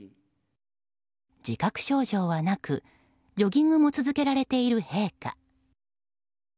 自覚症状はなくジョギングも続けられている陛下。